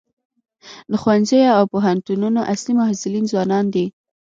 د ښوونځیو او پوهنتونونو اصلي محصلین ځوانان دي.